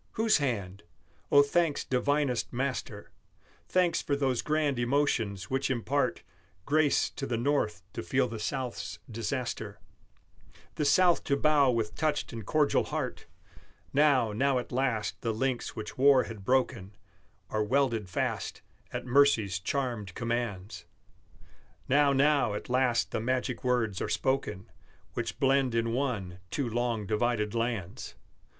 Whose hand? Oh, thanks divinest Master, Thanks for those grand emotions which impart Grace to the North to feel the South's disaster, The South to bow with touched and cordial heart! Now, now at last the links which war had broken Are welded fast, at mercy's charmed commands; Now, now at last the magic words are spoken Which blend in one two long divided lands!